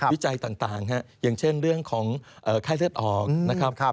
วิจัยต่างอย่างเช่นเรื่องของไข้เลือดออกนะครับ